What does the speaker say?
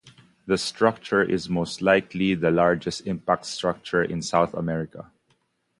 The structure is most likely the largest impact structure in South America.